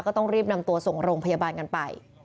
ก็ต้องรีบนำตัวส่งโรงพยาบาลกันไป